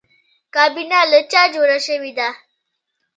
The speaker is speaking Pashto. کابینه له چا جوړه شوې ده؟